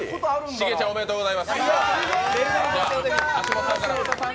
シゲちゃんおめでとうございます。